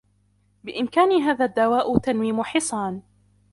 بإمكان هذا الدّواء تنويم حصان.